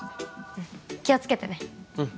うん気をつけてねうん